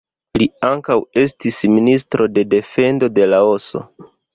Li ankaŭ estis Ministro de Defendo de Laoso.